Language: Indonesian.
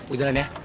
udah lan ya